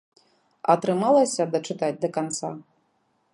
Атрымалася дачытаць да канца?